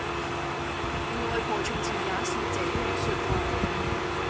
外婆從前也是這樣說話的